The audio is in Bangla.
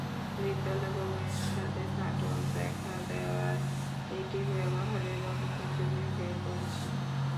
বিদ্যালয় ভবনের ছাদে ফাটল দেখা দেওয়ায় এটি ব্যবহারের অনুপযোগী হয়ে পড়েছে।